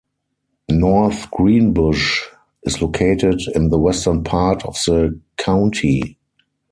North Greenbush is located in the western part of the county.